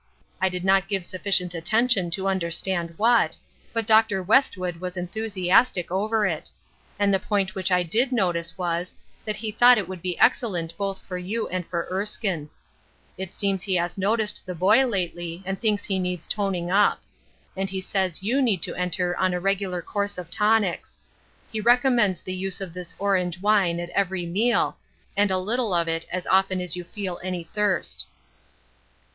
I did not give sufficient attention to understand what, but Dr. Westwood was enthusiastic over it. And the point which I did notice was, that he thought it would be excellent both for you and for Erskine. It seems he has noticed the boy lately, and thinks he needs toning up. And he says you need to enter on a regular course of tonics. He recommends the use of this orange wine at every meal, and a little of it as often as you feel any thirst."